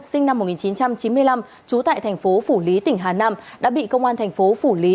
sinh năm một nghìn chín trăm chín mươi năm trú tại thành phố phủ lý tỉnh hà nam đã bị công an thành phố phủ lý